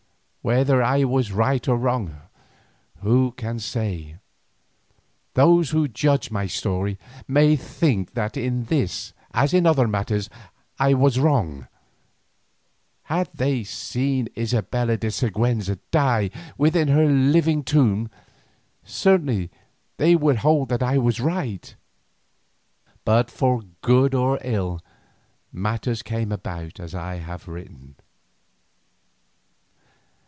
Whether I was right or wrong, who can say? Those who judge my story may think that in this as in other matters I was wrong; had they seen Isabella de Siguenza die within her living tomb, certainly they would hold that I was right. But for good or ill, matters came about as I have written.